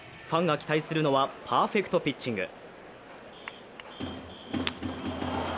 ファンが期待するのは、パーフェクトピッチング。